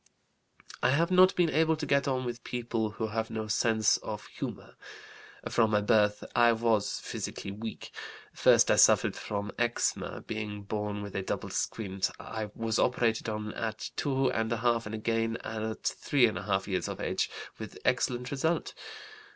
I have not been able to get on with people who have no sense of humor. From my birth I was physically weak. First I suffered from eczema. Being born with a double squint, I was operated on at 2½ and again at 3½ years of age, with excellent result.